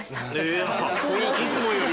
いつもより？